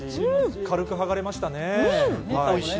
軽くはがれましたね。